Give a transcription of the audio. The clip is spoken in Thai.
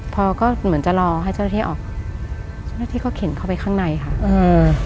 พอก็เหมือนจะรอให้เจ้าหน้าที่ออกเจ้าหน้าที่ก็เข็นเข้าไปข้างในค่ะอืม